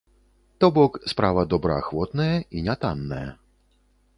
То бок, справа добраахвотная і нятанная.